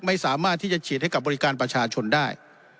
ไม่สามารถที่จะฉีดให้กับบริการประชาชนได้